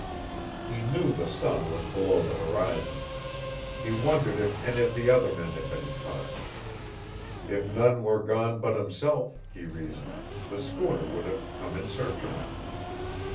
He knew the sun was below the horizon. He wondered if any of the other men had been caught. If none were gone but himself, he reasoned, the schooner would have come in search of him.